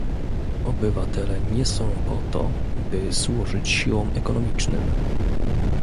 Obywatele nie są po to, by służyć siłom ekonomicznym